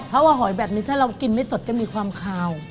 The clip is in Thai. เพราะว่าหอยแบบนี้ถ้าเรากินไม่สดจะมีความคาว